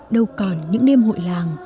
đâu còn những đêm hội làng